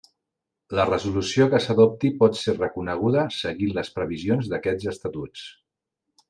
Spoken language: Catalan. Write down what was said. La resolució que s'adopti pot ser recorreguda seguint les previsions d'aquests Estatuts.